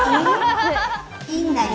いいんだよ。